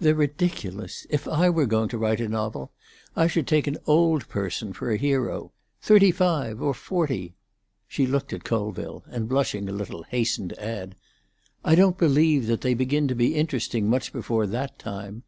"They're ridiculous. If I were going to write a novel, I should take an old person for a hero—thirty five or forty." She looked at Colville, and blushing a little, hastened to add, "I don't believe that they begin to be interesting much before that time.